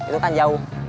itu kan jauh